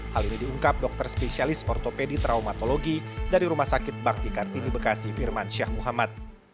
hal ini diungkap dokter spesialis ortopedi traumatologi dari rumah sakit bakti kartini bekasi firman syah muhammad